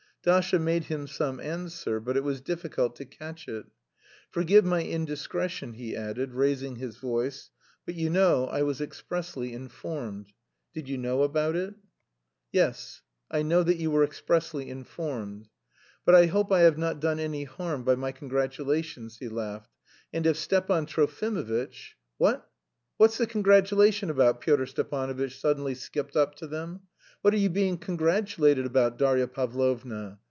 Dasha made him some answer, but it was difficult to catch it. "Forgive my indiscretion," he added, raising his voice, "but you know I was expressly informed. Did you know about it?" "Yes, I know that you were expressly informed." "But I hope I have not done any harm by my congratulations," he laughed. "And if Stepan Trofimovitch..." "What, what's the congratulation about?" Pyotr Stepanovitch suddenly skipped up to them. "What are you being congratulated about, Darya Pavlovna?